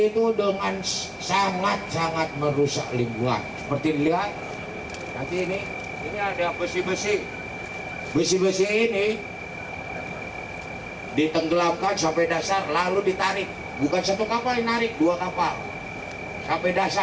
jadi bayangkan di dasarnya dikeruk mereka